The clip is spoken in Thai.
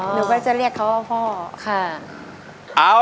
หนูก็จะเรียกเขาว่าพ่อค่ะ